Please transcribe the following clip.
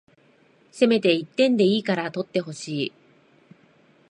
せめて一点でいいから取ってほしい